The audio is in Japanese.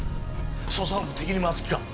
捜査本部を敵に回す気か？